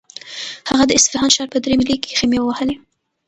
هغه د اصفهان ښار په درې میلۍ کې خیمې ووهلې.